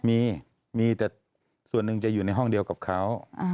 มีมีแต่ส่วนหนึ่งจะอยู่ในห้องเดียวกับเขา